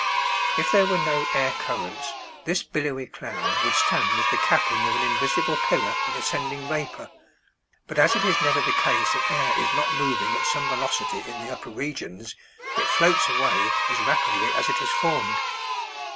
If there were no air currents this billowy cloud would stand as the capping of an invisible pillar of ascending vapor, but as it is never the case that air is not moving at some velocity in the upper regions, it floats away as rapidly as it is formed.